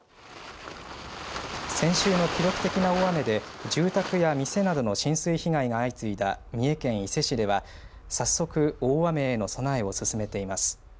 先週の記録的な大雨で住宅や店などの浸水被害が相次いだ三重県伊勢市では早速、大雨への備えを進めています。